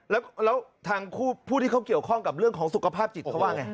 แล้วทางผู้ที่เขาเกี่ยวข้องกับเรื่องของสุขภาพจิตเขาว่าไง